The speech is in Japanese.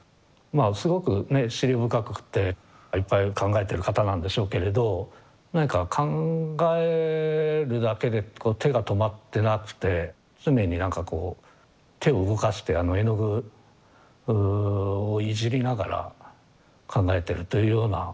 まあすごくねえ思慮深くていっぱい考えてる方なんでしょうけれど何か考えるだけで手が止まってなくて常に何かこう手を動かして絵の具をいじりながら考えてるというような。